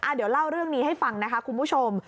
เดี๋ยวเล่าเรื่องนี้ให้ฟังนะคะคุณผู้ชม